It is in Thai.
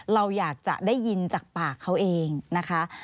เราอยากจะได้ยินจากปากเขาเองนะคะ